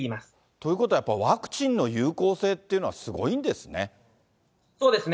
ということは、やっぱりワクチンの有効性っていうのはすごいそうですね。